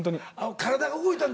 体が動いたんだ。